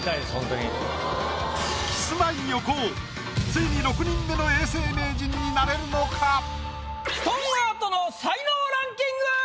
キスマイ横尾ついに６人目の永世名人になれるのか⁉ストーンアートの才能ランキング！